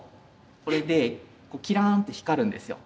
これでキランって光るんですよ。